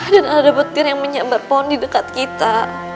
dan ada petir yang menyambar pohon di dekat kita